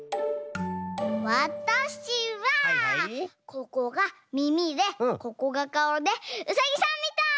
ここがみみでここがかおでうさぎさんみたい！